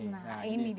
nah ini dia